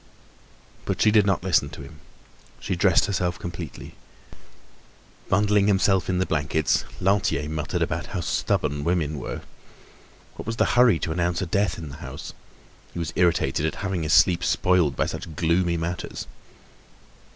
But she did not listen to him, she dressed herself completely. Bundling himself in the blankets, Lantier muttered about how stubborn women were. What was the hurry to announce a death in the house? He was irritated at having his sleep spoiled by such gloomy matters.